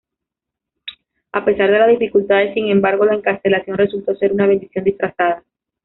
A pesar de las dificultades, sin embargo, la encarcelación resultó ser una bendición disfrazada.